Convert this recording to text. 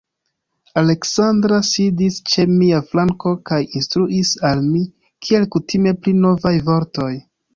Aleksandra sidis ĉe mia flanko kaj instruis al mi kiel kutime pri novaj vortoj.